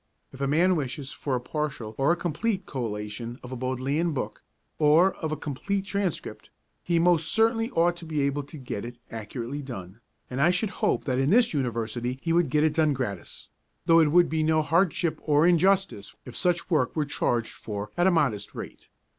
If a man wishes for a partial or a complete collation of a Bodleian book, or for a complete transcript, he most certainly ought to be able to get it accurately done, and I should hope that in this University he would get it done gratis, though it would be no hardship or injustice if such work were charged for at a modest rate.